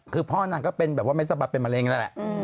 คือพ่อนางก็เป็นแบบว่าไม่สะบัดเป็นมะเร็งนั่นแหละ